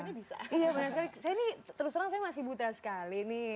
iya benar sekali saya ini terus terang masih buta sekali